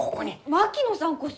槙野さんこそ！